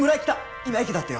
今駅だってよ